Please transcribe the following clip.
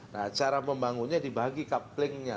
nah cara membangunnya dibagi couplingnya